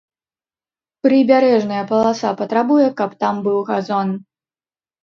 Прыбярэжная паласа патрабуе, каб там быў газон.